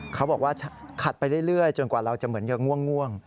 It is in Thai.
เขาบอกว่าขัดไปเรื่อยจนกว่าเราจะเหมือนจะง่วง